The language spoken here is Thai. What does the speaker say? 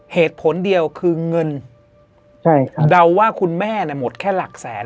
เหตุผลเดียวคือเงินใช่ครับเดาว่าคุณแม่เนี่ยหมดแค่หลักแสน